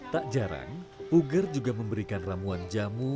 tak jarang puger juga memberikan ramuan jamu